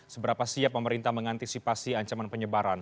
seberapa siap pemerintah mengantisipasi ancaman penyebaran